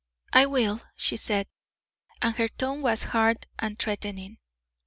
"I will," she said, and her tone was hard and threatening.